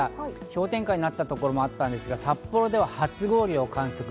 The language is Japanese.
氷点下になったところもあったんですが、札幌では初氷を観測。